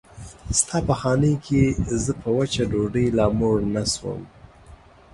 ستا په خانۍ کې زه په وچه ډوډۍ لا موړ نه شوم.